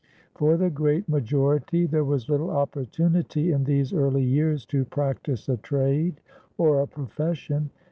For the great majority there was little opportunity in these early years to practice a trade or a profession.